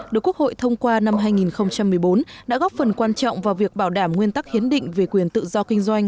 được quốc hội thông qua năm hai nghìn một mươi bốn đã góp phần quan trọng vào việc bảo đảm nguyên tắc hiến định về quyền tự do kinh doanh